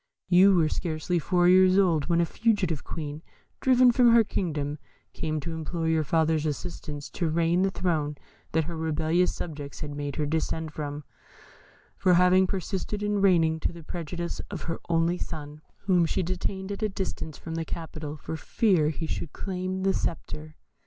You were scarcely four years old when a fugitive Queen, driven from her kingdom, came to implore your father's assistance to regain the throne that her rebellious subjects had made her descend from, for having persisted in reigning to the prejudice of her only son, whom she detained at a distance from the capital, for fear he should claim the sceptre.